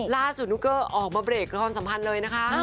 ล่าสุดนุกเกอร์ออกมาเบรกกับความสัมพันธ์เลยนะคะ